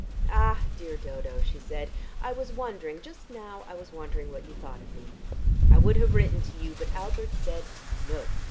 "Ah, dear Dodo," she said, "I was wondering, just now I was wondering what you thought of me! I would have written to you, but Albert said 'No!'